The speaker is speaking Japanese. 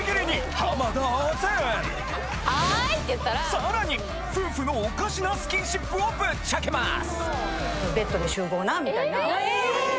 さらに夫婦のおかしなスキンシップをぶっちゃけます